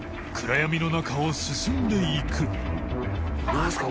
何ですか？